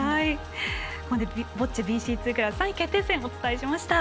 ここまでボッチャＢＣ２クラス３位決定戦をお伝えしました。